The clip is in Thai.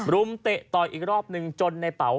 มเตะต่อยอีกรอบหนึ่งจนในเป๋า